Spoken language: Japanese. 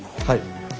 はい。